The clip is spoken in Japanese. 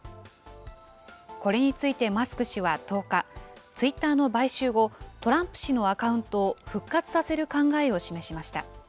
これについて、マスク氏は１０日、ツイッターの買収後、トランプ氏のアカウントを復活させる考えを示しました。